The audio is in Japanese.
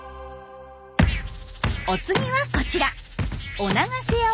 お次はこちら。